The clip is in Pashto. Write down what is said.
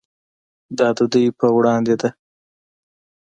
دا د دوی په وړاندې ده.